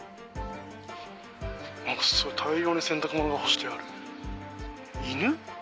なんかすごい大量に洗濯物が干してある。